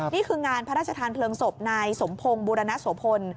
นี่คืองานพระราชทานเพลิงศพนายสมพงศ์บุรณโสพล